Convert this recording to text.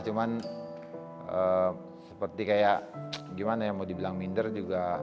cuman seperti kayak gimana ya mau dibilang minder juga